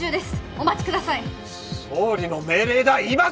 お待ちください！